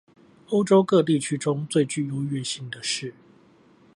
歐洲各地區中最具優越性的是